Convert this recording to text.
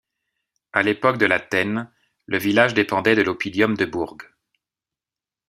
À l'époque de La Tène, le village dépendait de l'oppidum de Burg.